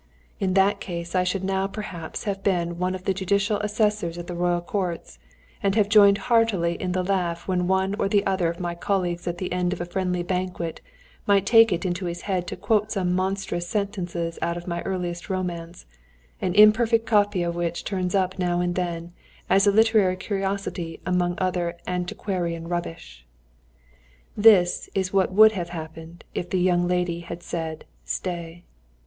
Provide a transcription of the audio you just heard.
In that case I should now perhaps have been one of the judicial assessors at the Royal Courts, and have joined heartily in the laugh when one or other of my colleagues at the end of a friendly banquet might take it into his head to quote some monstrous sentences out of my earliest romance, an imperfect copy of which turns up now and then as a literary curiosity among other antiquarian rubbish. This is what would have happened if the young lady had said "Stay!"